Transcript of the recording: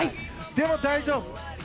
でも、大丈夫。